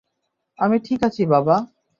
আমি ঠিক আছি, বাবা।